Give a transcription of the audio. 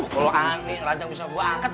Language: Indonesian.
kalau aneh raja bisa gue angkat